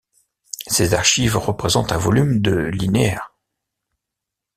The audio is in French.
Ces archives représentent un volume de linéaires.